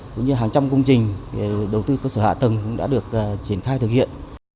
cũng như hàng trăm công trình đầu tư cơ sở hạ tầng cũng đã được triển khai thực hiện